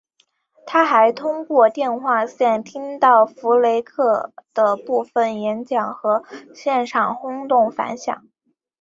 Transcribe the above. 他还通过电话线听到福勒克的部分演说和现场的轰动反响。